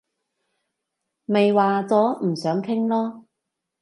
咪話咗唔想傾囉